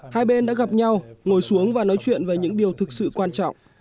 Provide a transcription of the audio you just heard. hai bên đã gặp nhau ngồi xuống và nói chuyện về những điều thực sự quan trọng